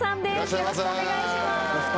よろしくお願いします。